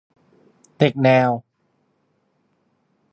- เด็กแนว